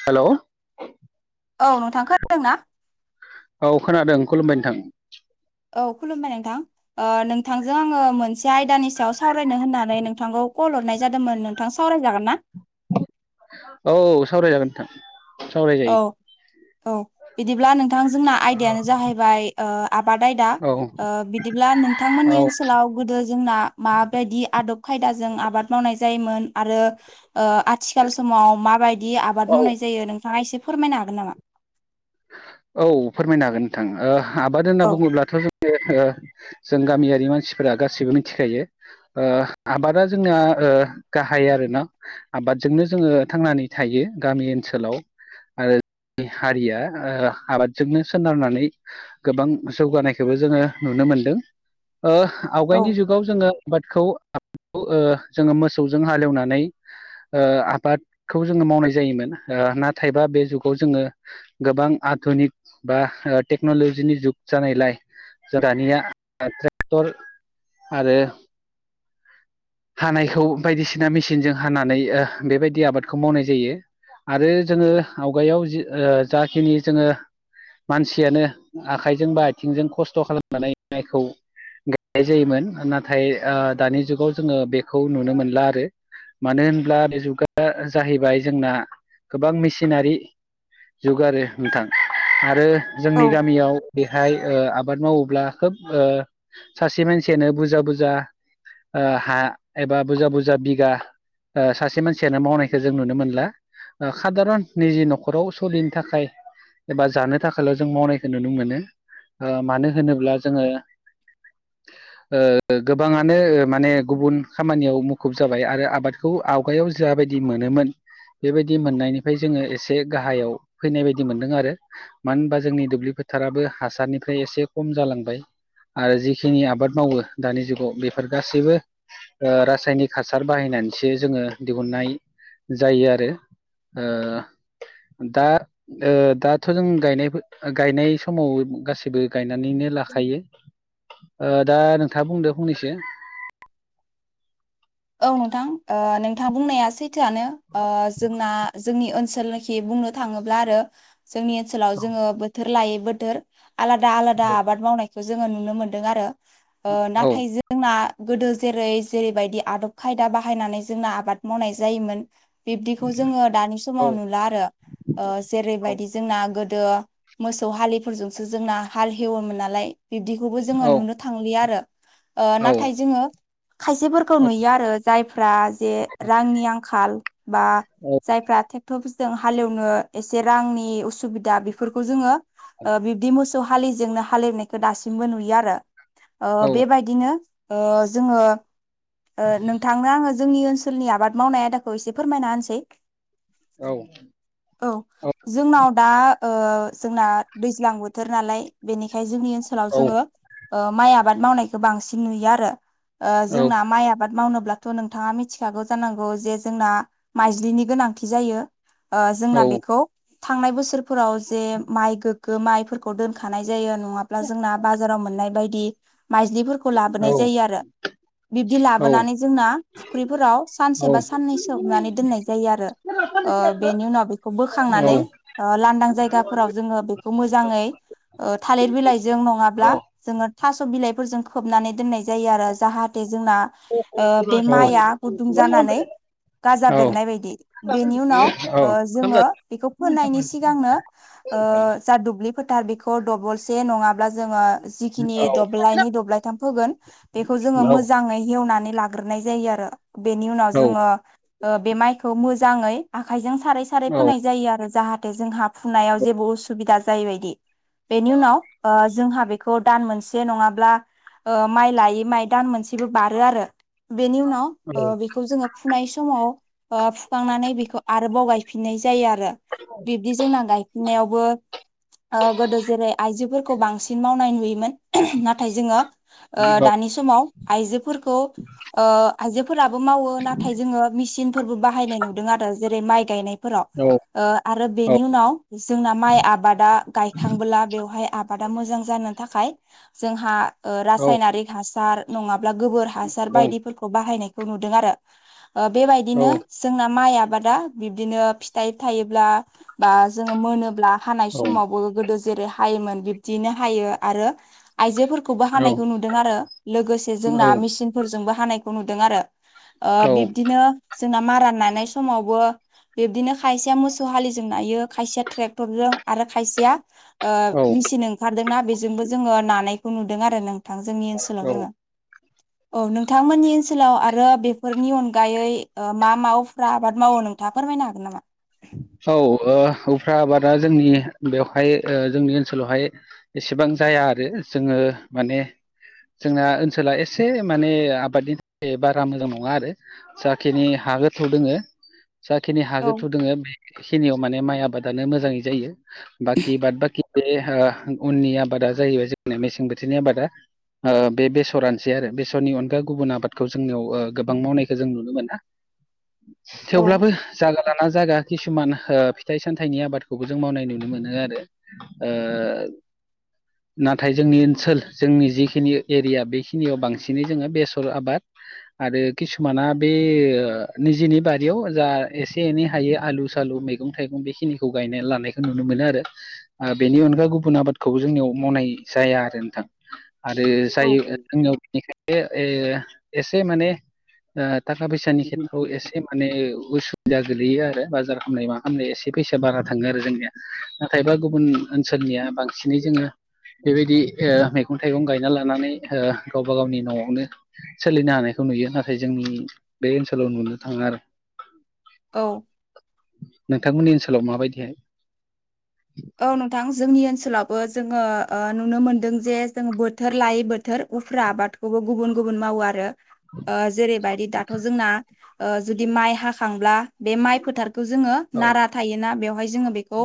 हेल' औ नोंथां [unintelligible] ना? औ खोनादों खुलुमबाय नोंथां। औ खुलुमबाय नोंथां। ओ नोंथांजों आङो मोनसे आयदानि सायाव सावरायनो होननानै नोंथांखौ कल हरनाय जादोमोन नो थां सावरायजागोन ना? औ सावरायजागोन थां औ औ बिदिब्ला नोंथां जोंना आयदायानो जाहैबाय ओ आबाद आयदा औ ओ बिदिब्ला नोंथांमोननि ओनस औ [unintelligible] लाव गोदो जोंना माबायदि आदब खायदाजों आबाद मावनाय जायोमोन आरो ओ आथिखाल समाव माबायदि आबाद मावनाय जायो नोंथाङा एसे फोरमायनो हागोन नामा? औ फोरमायनो हागोन नोंथां ओ आबाद होनना औ बुङोब्लाथ' जोङो ओ जों गामियारि मानसिफोरा गासैबो मिथिखायो ओ आबादा जोंना ओ गाहाय आरो ना आबादजोंनो जोङो थांनानै थायो गामि ओनसोलाव आरो [unintelligible] हारिया ओ आबादजोंनो सोनारनानै गोबां जौगानायखौबो जोङो नुनो मोनदों ओ औ आवगायनि जुग गाव जोङो आबादखौ [unintelligible] ओ जोङो मोसौजों हालेवनानै ओ आबादखौ जोङो मावनाय जायोमोन नाथायबा बे जुगाव जोङो गोबां आधुनिक बा ओ टेक्न'लजिनि जुग जानायलाय जों दानिया ट्रेक्टर आरो हानायखौ बायदिसिना मेसिनजों हानानै ओ बेबायदि आबादखौ मावनाय जायो। आरो जोङो आवगायाव जि ओ जाखिनि जोङो मानसियानो आखाइजों बा आथिंजों खस्थ' खालामनानै माइखौ [unintelligible] जायोमोन नाथाय दानि जुगाव जोङो बेखौ नुनो मोनला आरो मानो होनब्ला बे जुगा जाहैबाय जोंना गोबां मेसिनारि जुगारो नोंथां आरो औ जोंनि गामियाव बेहाय ओ आबाद मावोब्ला खोब ओ सासे मानसियानो बुजा बुजा ओ हा एबा बुजा बुजा बिगा ओ सासे मानसियानो मावनायखौ जों नुनो मोनला ओ खादारन निजि न'खराव सलिन थाखाय एबा जानो थाखायल' जों मावनायखो नुनो मोनो ओ मानो होनोब्ला जोङो [inaudible] ओ गोबाङानो माने गुबुन खामानियाव मुखुब जाबाय आरो आबाद खौ आवगायाव जाबायदि मोनोमोन बेबायदि मोननायनिफ्राय जोङो एसे गाहायाव फैनाय बायदि मोनदों आरो मानो होनबा जोंनि दुब्लि फोथाराबो हासारनिफ्राय एसे खम जालांबाय आरो जिखिनि आबाद मावो दानि जुगाव बेफोर गासैबो ओ रासायनिक हासार बाहायनानैसो जोङो दिहुननाय जायो आरो। ओ दा ओ दाथ' जों गायनाय - गायनाय समाव गासिबो गायनानैनो लाखायो ओ दा नोंथाङा बुंदो फंनैसो औ नोंथां ओ नोंथां बुंनाया सैथोआनो ओ जोंना जोंनि ओनसोलनोखि बुंनो थाङोब्ला आरो जोंनि ओनसोलाव जोङो बोथोर लायै बोथोर आलादा-आलादा आबाद मावनायखो जोङो नुनो मोनदों आरो औ नाथाय जो जोंना गोदो जेरै-जेरैबायदि आदब खायदा बाहायनानै जोंना आबाद मावनाय जायोमोन बिब्दिखौ जोङो दानि समाव नुला आरो ओ औ जेरैबायदि ओ जोंना गोदो मोसौ हालिफोरजोंसो जोंना हाल हेवोमोन नालाय बिब्दिखौबो औ जोङो नुनो थांलिया आरो ओ नाथाय जोङो खायसे फोर नुयो आरो जायफ्रा जे रांनि आंखाल बा जायफ्रा [unintelligible] जों हालेवनो एसे रांनि असुबिदा बेफोरखौ जोङो ओ मोसौ हालिजोंनो हालेवनायखौ दासिमबो नुयो आरो बेबायदिनो ओ जोङो ओ नोंथांनो आङो जोंनि ओनसोलनि आबाद मावनाय आयदाखौ एसे फोरमायना होनसै औ औ जोंनाव दा ओ जोंना दैज्लां बोथोर नालाय बेनिखाय जोंनि ओनसोलाव जोङो ओ माइ आबाद मावनायखौ बांसिन नुयो आरो ओ जोंना माइ आबाद मावनोब्लाथ' नोंथाङा मिथिखागौ जानांगौ जे जोंना माइज्लिनि गोनांथि जायो। ओ जोंना बेखौ थांनाय बोसोरफोराव जे माइ गोग्गो माइफोर खौ दोनखानाय जायो नङाब्ला जोंना बाजाराव मोननाय बायदि माइज्लिफोरखौ लाबोनाय जायो आरो बिब्दि लाबोनानै जोंना फुख्रिफोराव औ सानसे बा साननै सोबनानै दोननाय जायो आरो ओ बेनि उनाव बेखौ बोखांनानै ओ लांदां जायगाफोराव जोङो बेखौ मोजाङै ओ थालिर बिलाइजों नङाब्ला जोङो थास' बिलाइफोरजों खोबनानै दोननाय जायो आरो जाहा थे जोंना बे माइआ गुदुं जानानै गाजा औ बेरनाय बायदि। बेनि उनाव ओ जोङो बेखौ फोनायनि सिगांनो ओ जा दुब्लि फोथार बेखौ दबलसे नङा अब्ला जोङो जिखिनि दब्लायनै दब्लायथाम फोगोन बेखौ जोङो मो जाङै हवनानै लाग्रोनाय जायो आरो बेनि उनाव जोङो ओ बे माइखौ मोजाङै आखाइजों सारै सारै फोनाय जायो आरो जाहाथे जोंहा फुनायाव जेबो उसुबिदा जायैबायदि। बेनि उनाव ओ जोंहा बेखौ दान मोनसे नङाब्ला माइ लायै माय दान मोनसे बो बारो आरो। बेनि उनाव ओ बे खौ जोङो फुनाय समाव फुखांनानै बेखौ आरोबाव गाय फिननाय जायो आरो बिब्दि जोंना गायफिननायावबो ओ गोदो जेरै आइजोफोरखौ बांसिन मावनाय नुयोमोन नाथाय जोङो ओ दानि समाव आइजोफोरखौ ओ आइजोफोराबो मावो नाथाय जोङो मिचिन फोरबो बहायनाय नुदों आरो जेरै माय गनायफोराव ओ आरो बेनि उन नाव जोंना माइ आबादा गायखांबोला बेवहाय आबादा मोजां जानो थाखाय जोंहा ओ रासायनारिक हासार नङाब्ला गोबोर हासार बायदिफोरखौ बाहायनायखौ नुदों आरो। ओ बेबायदिनो जोंना माइ आबादा बिब्दिनो फिथाइ थायोब्ला बा जोङो मोनोब्ला हानाय समावबो गोदो जेरै हायोमोन बिब्दियैनो हायो आरो आयजोफोरखौबो हानायखौ नुदों आरो लोगोसे जोंना मेसिनफोरजोंबो हानाय नुदों आरो ओ बिब दिनो जोंना मारा नानाय समावबो बिब्दिनो खायसेया मोसौ हालिजों नायो खायसेया ट्रेक्टर जों आरो खायसे मसिनजों ओंखारदोंना बेजोंबो जोङो नानायखौ नुदों आरो नोंथां जोंनि ओनसोलाव औ जोङो। औ नोंथांमोननि ओनसोलाव आरो बेफोरनि अनगायै ओ मा मावाफ्रा आबाद मावो नों थाङा फोरमायनो हागोन नामा? औ ओ उफ्रा आबादा जोंनि बेवहाय जोंनि ओनसोलावहाय एसेबां जाया आरो जोङो माने जोंना ओनसोला एसे माने आबादनि थाखाय बारा मोजां नङा आरो। जाखिनि हा गोथौ दोङो जाखिनि औ हागो थुदोङो बेखिनियाव माने माइ आबादानो मोजाङै जायो। बाखि बाद बाखि बे ओ उननि आबादा जाहैबाय जोंनाया मेसें बोथोरनि आबादा। ओ बे बेसरानोसै आरो बेसरनि अनगा गुबुन आबादखौ जोंनियाव गोबां मावनायखौ जों नुनो मोना। [inaudible] औ थेवब्लाबो जागा लाना जागा किसुमान ओ फिथाइ सामथाइनि आबादखौबो जों मावनाय नुनो मोनो आरो ओ [inaudible] नाथाय जोंनि ओनसोल जोंनि जिखिनि एरिया बेखिनियाव बांसिनै जोङो बेसर आबाद आरो किसुमाना बे ओ निजेनि बारियाव जा एसे एनै हायो आलु सालु मैगं थाइगं बेखिनिखौ गायना लानायखौ नुनो मोनो आरो ओ बेनि अनगाै गुबुन आबादखौबो जोंनियाव मावनाय जाया आरो नोंथां। आरो औ जायो [unintelligible] नो बेनिखायनो एसे माने ओ थाखा फैसानि खेथ्रआव एसे माने उसुबिदा गोलैयो आरो बाजार खालामनाय मा खालामनाय एसे फैसा बारा थाङो आरो जोंनिया। नाथायबा गुबुन ओनसोलनिया बां सिनै जोङो बेबायदि ओ मैगं थाइगं गायना लानानै ओ गावबा गावनि न'आवनो सोलिनो हानायखौ नुयो नाथाय जोंनि बे ओनसोलाव नुनो थाङा आरो। औ नोंथांमोननि ओनसोलाव माबायदिहाय औ नोंथां जोंनि ओनसोलावबो जोङो ओ नुनो मोनदों जे जोंङो बोथोर लायै बोथोर उफ्रा आबाद खौबो गुबुन गुबुन मावो आरो ओ जेरैबायदि दाथ' जोंना ओ जुदि माइ हाखांब्ला बे माइ फोथारखौ जोङो औ नारा थायोना बेवहाय जोङो बेखौ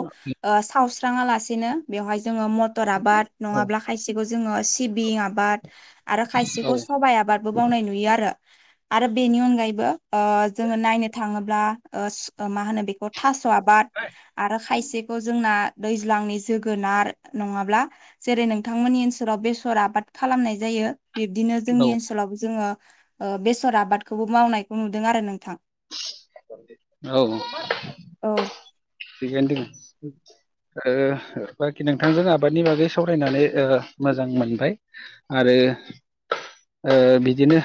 ओ सावस्राङा लासेनो बेवहाय जोङो म टर आबाद औ नङाब्ला खायसेखौ जोङो सिबिं आबाद आरो औ खायसेखौ सबाइ आबाद मावनाय नुयो आरो आरो बेनि अनगायैबो ओ जोङो नायनो थाङोब्ला ओ ओ मा होनो बेखौ थास' आबाद आरो खायसे खौ जोंना दैज्लांनि जोगोनार नङाब्ला जेरै नोंथांमोननि ओनसोलाव बेसर आबाद खालामनाय जायो बिब्दिनो जोंनि ओनसोलाव जोङो ओ बेसर आबादखौबो मावनायखौ नुदों आरो नोंथां [unintelligible] औ [unintelligible] [inaudible] ओ बाखि नोंथांजों आबादनि बागै सावरायनानै ओ मोजां मोनबाय। आरो ओ बिदिनो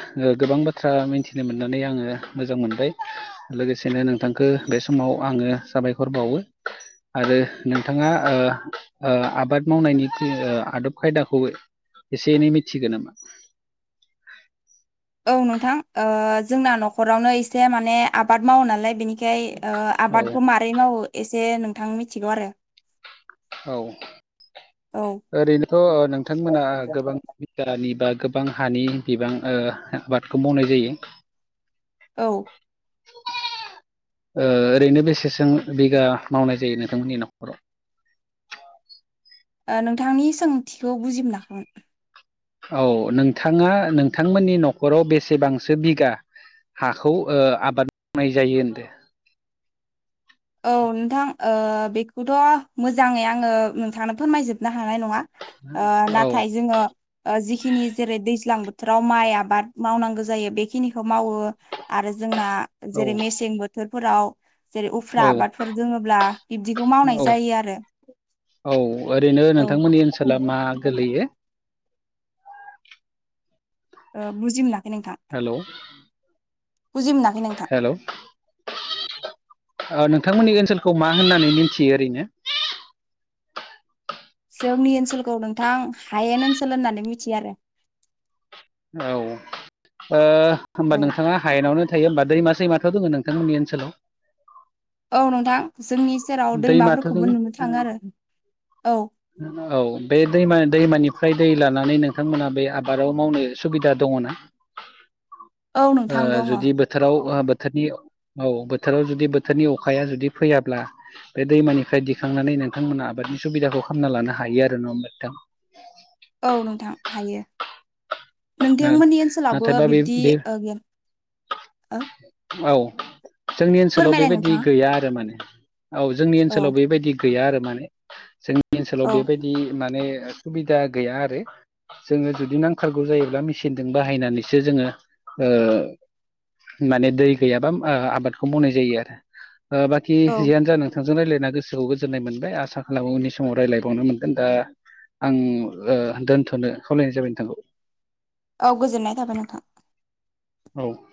गोबां बाथ्रा मिथिनो मोननानै आङो मोजां मोनबाय लोगोसेनो नोंथांखौ बे समाव आङो साबायखर बावो आरो नोंथाङा ओ ओ आबाद मावनायनि ओ आदब खायदाखौ एसे एनै मिथिगो नामा? औ नोंथां ओ जोंना न'खरावनो एसे माने आबाद मावो नालाय बेनिखाय ओ औ आबादखौ मारै मावो एसे नोंथां मिथिगौ आरो औ औ ओरैनोथ' ओ नोंथांमोना गोबां दालि बा गोबां हानि बिबां ओ आबादखौ मावनाय जायो। औ ओ ओरैनो बेसेसो बिगा मावनाय जायो नोंथांमोननि न'खराव ओ नोंथांनि सोंथिखौ बुजि मोनाखैमोन। औ नोंथाङा नोंथांमोननि न'खराव बेसेबांसो बिगा हाखौ ओ आबाद मावनाय जायो होनदो? औ नोंथां ओ बेखौथ' मोजाङै आङो नोंथांनो फोरमायजोबनो हानाय नङा। ओ औ नाथाय जोङो ओ जिखिनि जेरै दैज्लां बोथोराव माइ आबाद मावनांगौ जायो बेखिनिखौ मावो। आरो जोंना औ जेरै मेसें बोथोरफोराव जेरै उफ औ फ्रा आबादफोर दोङोब्ला बिब्दिखौ मावनाय औ जायो आरो। औ ओरैनो औ नोंथांमोननि ओनसोला मा गोलैयो? ओ बुजिमोनाखै नोंथां हेलौ बुजि मोनाखै नोंथां। हेल' ओनोंथांमोननि ओनसोलखौ मा होननानै मिथियो ओरैनो जोंनि ओनसोलखौ नोंथां हायेन ओनसोल होननानै मिथियो आरो औ ओ होमबा औ नोंथाङा हायेनावनो थायो होमब दैमा सैमाथ दङ नोंथांमोननि ओनसोलाव औ नोंथां जोंनि सेराव दैमाथ' दङ दैमाफोरखौबो नुनो थाङो आरो औ औ बे दैमा दैमानिफ्राय दै लानानै नोंथांमोना बे आबादाव मावनो सुबिदा दङ ना? [inaudible] ओ दङ जुदि बो बोथोराव ओ बोथोरनि औ बोथोराव जुदि बोथोरनि अखाया जुदि फैयाब्ला बे दैमानिफ्राय दिखांनानै नोंथांमोना आबादनि सुबिदाखौ खालामना लानो हायो आरो नङा होमबा नोंथां औ नोंथां हायो ओ नोंथांमोननि ओनसोलावबो नाथायबा बे बिबदि बे ओ औ जोंनि ओनसोलाव फोरमायलाय बेबायदि नोंथाङा गैया आरो माने औ जोंनि औ ओनसोलाव बेबायदि गैया आरो माने जोंनि ओनसोलाव औ बेबायदि माने सुबिदा गैया आरो जों जुदि नांथारगौ जायो। बा मिसिनजों बाहायनानैसो जोङो माने दै गैयाबा आबादखौ मावनाय जायो आरो बाखि औ जियानो जा नों थांजों रायल्लायना गोसोखौ गोजोन्नाय मोनबाय आसा खालामो उननि समाव रायज्लायबावनो मोनगोन दा आं दोनथ'नो खावलायनाय जाबाय नोंथांखौ औ गोजोननाय थाबाय नोंथां औ